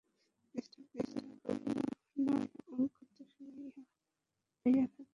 চেষ্টা করিয়া নয়, অজ্ঞাতসারেই ইহা হইয়া থাকে।